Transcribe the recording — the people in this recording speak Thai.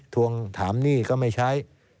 ทวงถามหนี้ก็ไม่ใช้